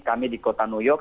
kami di kota new york